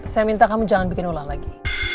saya minta kamu jangan bikin ulah lagi